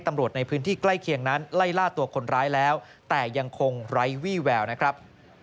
ทางนั้นไล่ล่าตัวคนร้ายแล้วแต่ยังคงไร้วี่แววนะครับ